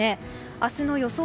明日の予想